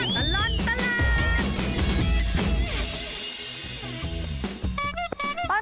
ชั่วตลอดตลาด